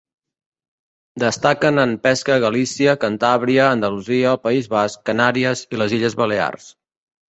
Destaquen en pesca Galícia, Cantàbria, Andalusia, el País Basc, Canàries i les Illes Balears.